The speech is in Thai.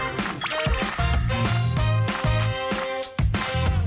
มีชื่อเรียกว่าผู้ตรวจการเลือกตั้ง